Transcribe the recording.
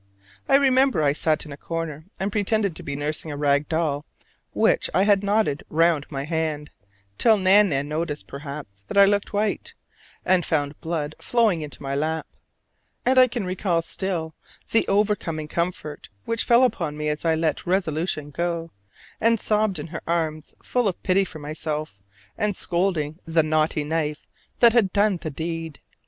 I remember I sat in a corner and pretended to be nursing a rag doll which I had knotted round my hand, till Nan nan noticed, perhaps, that I looked white, and found blood flowing into my lap. And I can recall still the overcoming comfort which fell upon me as I let resolution go, and sobbed in her arms full of pity for myself and scolding the "naughty knife" that had done the deed.